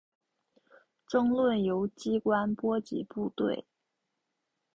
争论由机关波及部队。